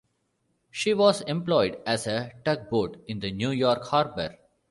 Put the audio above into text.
She was employed as a tugboat in New York harbor.